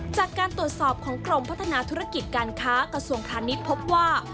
จากการตรวจสอบของกรมพัฒนาธุรกิจการค้ากระทรวงพาณิชย์พบว่า